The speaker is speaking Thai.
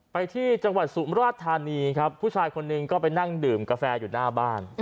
ไปที่จังหวัดสุมราชธานีครับผู้ชายคนหนึ่งก็ไปนั่งดื่มกาแฟอยู่หน้าบ้าน